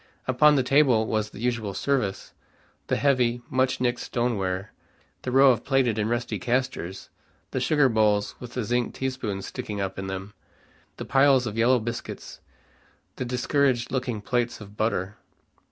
Upon the table was the usual service, the heavy, much nicked stone ware, the row of plated and rusty castors, the sugar bowls with the zinc tea spoons sticking up in them, the piles of yellow biscuits, the discouraged looking plates of butter.